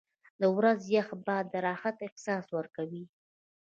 • د ورځې یخ باد د راحت احساس ورکوي.